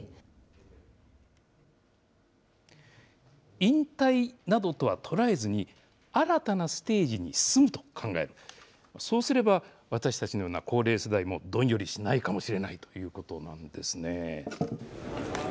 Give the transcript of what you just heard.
引退などとは捉えずに、新たなステージに進むと考える、そうすれば、私たちのような高齢世代も、どんよりしないかもしれないということなんですね。